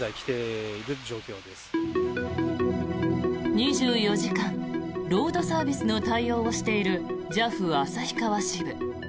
２４時間ロードサービスの対応をしているＪＡＦ旭川支部。